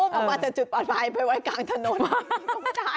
อุ้มออกมาจากจุดปลอดภัยไปไว้กลางถนน